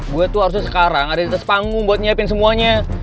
gue tuh harusnya sekarang ada di atas panggung buat nyiapin semuanya